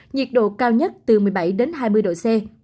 nhiệt độ cao nhất từ một mươi bảy đến hai mươi độ c